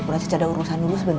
ya udah tuh jangan dipikirin